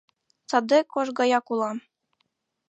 Саде кож гаяк улам...